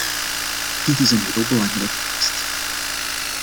Dit is een heel belangrijke test.